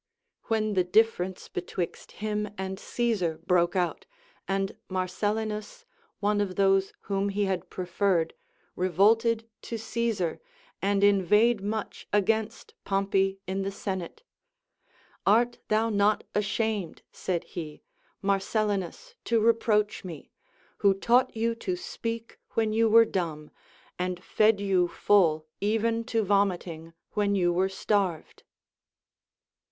A\^hen the difference betwixt him and Caesar broke out, and Marcel linus, one of those whom he had preferred, revolted to Caesar and iuA^eighed much against Pompey in the senate ; Art thou not ashamed, said he, Marcellinus, to reproach 24 1 THE ArOPHTHEGxMS OF KINGS me, who taught you to speak Λyhen you ΛveΓe dumh, and fed you full e\'en to vomiting Avhen you were starved